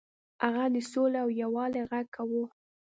هغه د سولې او یووالي غږ کاوه.